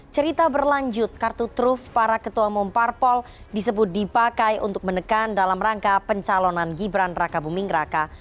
cerita berlanjut kartu truf para ketua umum parpol disebut dipakai untuk menekan dalam rangka pencalonan gibran raka buming raka